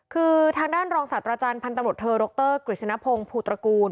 คือทางด้านรองศาสตร์อาจารย์พันธรรมดเทอร์โรคเตอร์กริชณพงษ์ผู้ตระกูล